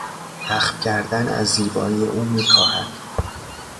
اخم کردن از زیبایی او میکاهد.